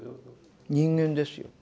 人間ですよ。